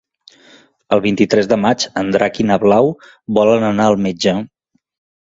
El vint-i-tres de maig en Drac i na Blau volen anar al metge.